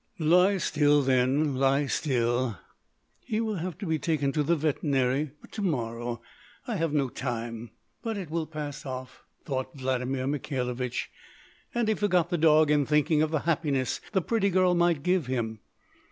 "Lie still, then; lie still!" "He will have to be taken to the veterinary: but to morrow, I have no time. But it will pass off—" thought Vladimir Mikhailovich, and he forgot the dog in thinking of the happiness the pretty girl might give him.